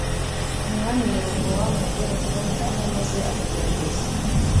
umwami Yerobowamu yajyaga kuboneraho maze akagerageza